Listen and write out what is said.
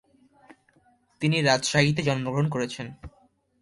তিনি রাজশাহীতে জন্মগ্রহণ করেছেন।